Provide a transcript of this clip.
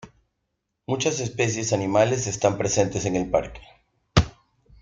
Muchas especies animales están presentes en el parque.